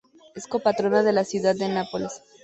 Es co-patrona de la ciudad de Nápoles.